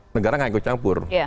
negara nggak cukup